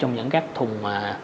trong những các thùng